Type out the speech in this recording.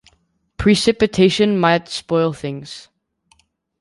Precipitation might spoil things.